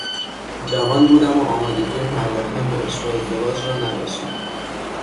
جوان بودم و آمادگی پرداختن به عشق و ازدواج را نداشتم.